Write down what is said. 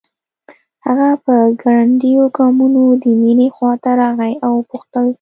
هغه په ګړنديو ګامونو د مينې خواته راغی او وپوښتل